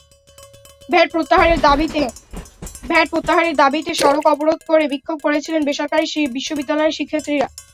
VAT প্রত্যাহারের দাবিতে সড়ক অবরোধ করে বিক্ষোভ করছিলেন বেসরকারি বিশ্ববিদ্যালয়ের শিক্ষার্থীরা।